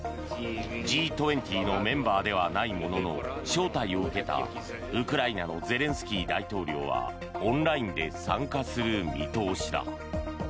Ｇ２０のメンバーではないものの招待を受けたウクライナのゼレンスキー大統領はオンラインで参加する見通しだ。